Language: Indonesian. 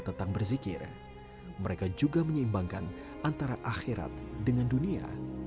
tentang berzikir mereka juga menyeimbangkan antara akhirat dengan dunia